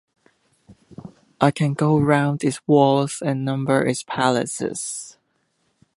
I can go round its walls and number its palaces.